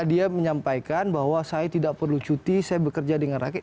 dia menyampaikan bahwa saya tidak perlu cuti saya bekerja dengan rakyat